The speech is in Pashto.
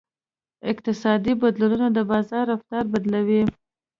اقتصادي بدلونونه د بازار رفتار بدلوي.